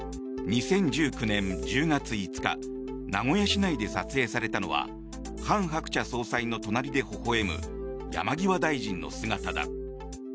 ２０１９年１０月５日名古屋市内で撮影されたのはハン・ハクチャ総裁の隣でほほ笑む、山際大臣の姿だ。